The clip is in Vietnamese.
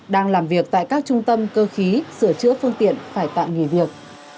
đang làm việc tại các trung tâm cơ khí sửa chữa phương tiện phải tạm nghỉ việc